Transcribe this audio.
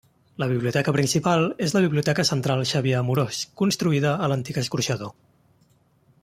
La biblioteca principal és la Biblioteca Central Xavier Amorós, construïda a l'antic escorxador.